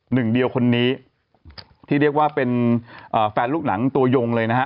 หนึ่งเดียวคนนี้ที่เรียกว่าเป็นแฟนลูกหนังตัวยงเลยนะฮะ